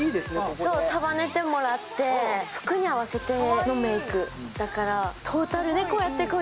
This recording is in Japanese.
そう、束ねてもらって服に合わせてのメーク。